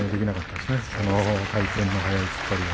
寺尾の回転の速い突っ張りは。